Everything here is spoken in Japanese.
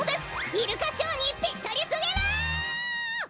イルカショーにぴったりすぎる！